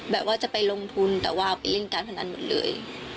ว่าจะไปลงทุนแต่ว่าเอาไปเล่นการพนันหมดเลย